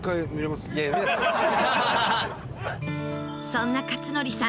そんな克典さん